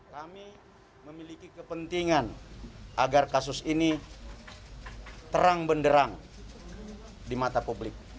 kami memiliki kepentingan agar kasus ini berlaku